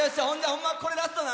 ホンマこれラストな。